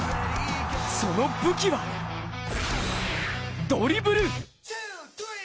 その武器は、ドリブル。